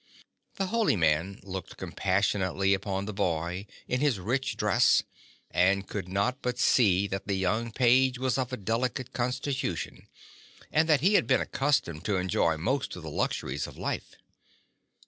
The holy man looked compassionately upon the boy in his rich dress, and could not but see that the young page was of a delicate constitution and that he had been accustomed to enjoy most of the luxuries of life.